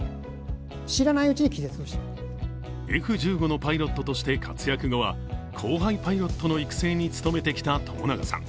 Ｆ１５のパイロットとして活躍後は後輩パイロットの育成に努めてきた朝長さん